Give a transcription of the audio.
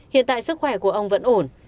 hiện tại sức khỏe của ông vẫn ổn